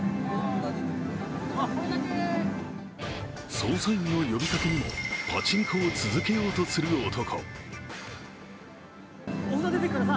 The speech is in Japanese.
捜査員の呼びかけにもパチンコを続けようとする男。